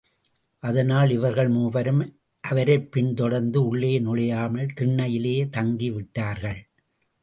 அதனால் இவர்கள் மூவரும் அவரைப் பின் தொடர்ந்து உள்ளே நுழையாமல் திண்ணையிலேயே தங்கி விட்டார்கள்.